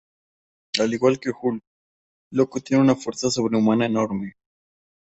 Al igual que Hulk, Loco tiene una fuerza sobrehumana enorme.